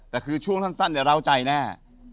แต่คือช่วงสั้นเนี่ยเล่าใจแน่